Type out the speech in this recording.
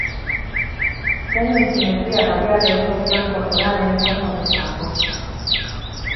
Teñen simetría radial e o seu plan corporal é en forma de saco.